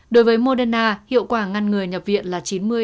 đối với moderna hiệu quả ngăn ngừa nhập viện là chín mươi chín mươi năm